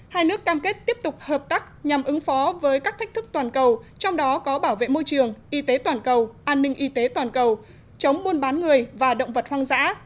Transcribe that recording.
hai nước cam kết tiếp tục hợp tác nhằm ứng phó với các thách thức toàn cầu trong đó có bảo vệ môi trường y tế toàn cầu an ninh y tế toàn cầu chống buôn bán người và động vật hoang dã